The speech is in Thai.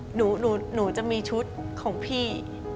หนูจะมีชุดของพี่